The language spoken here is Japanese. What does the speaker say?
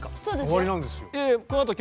終わりなんですよ。